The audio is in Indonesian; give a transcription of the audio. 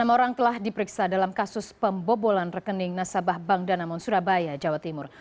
enam orang telah diperiksa dalam kasus pembobolan rekening nasabah bank danamon surabaya jawa timur